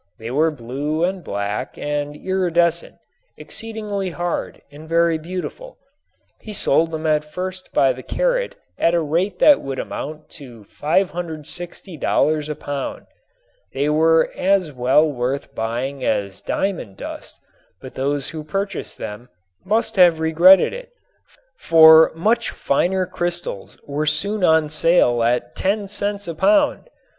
They were blue and black and iridescent, exceedingly hard and very beautiful. He sold them at first by the carat at a rate that would amount to $560 a pound. They were as well worth buying as diamond dust, but those who purchased them must have regretted it, for much finer crystals were soon on sale at ten cents a pound.